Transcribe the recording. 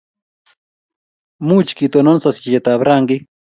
Much ketonon sasishet ab rangik